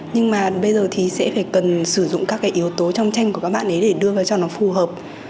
nhưng mà bây giờ thì sẽ phải cần sử dụng các cái yếu tố trong tranh của các bạn ấy để đưa vào cho nó phù hợp